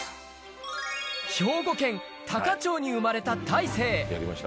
兵庫県多可町に生まれた大勢。